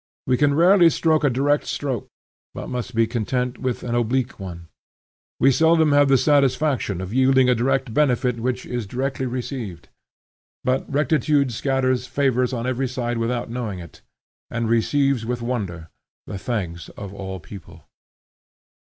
We can rarely strike a direct stroke, but must be content with an oblique one; we seldom have the satisfaction of yielding a direct benefit which is directly received. But rectitude scatters favors on every side without knowing it, and receives with wonder the thanks of all people.